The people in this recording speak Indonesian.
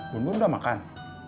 bun bun udah makan